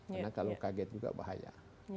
karena kalau kaget juga bahaya